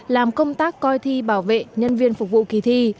làm công tác coi thi bảo vệ nhân viên phục vụ kỳ thi